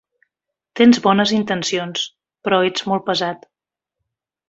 Tens bones intencions, però ets molt pesat.